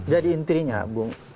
jadi intinya bung